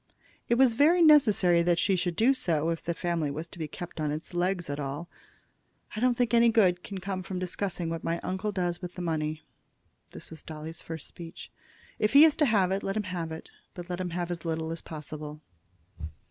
It was very necessary that she should do so, if the family was to be kept on its legs at all. "I don't think any good can come from discussing what my uncle does with the money." This was Dolly's first speech. "If he is to have it, let him have it, but let him have as little as possible."